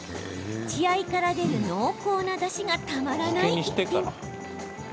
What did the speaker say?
血合いから出る濃厚なだしがたまらない逸品。